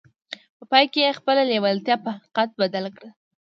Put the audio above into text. په پای کې يې خپله لېوالتیا په حقيقت بدله کړه.